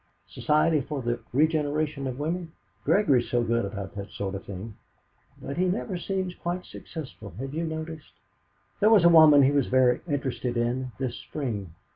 'Society for the Regeneration of Women'. Gregory's so good about that sort of thing. But he never seems quite successful, have you noticed? There was a woman he was very interested in this spring.